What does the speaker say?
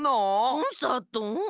コンサート？